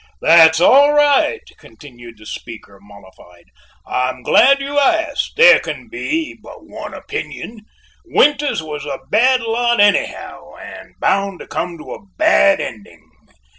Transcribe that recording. "That's all right," continued the speaker, mollified; "I am glad you asked. There can be but one opinion. Winters was a bad lot anyhow and bound to come to a bad ending."